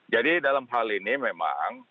jadi dalam hal ini memang